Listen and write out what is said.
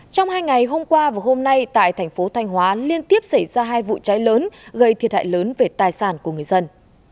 trong hai ngày hôm qua và hôm nay tại thành phố thanh hóa liên tiếp xảy ra hai vụ cháy lớn gây thiệt hại lớn về tài sản của người dân